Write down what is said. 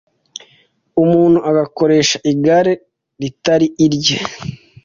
umuntu agakoresha igare ritari irye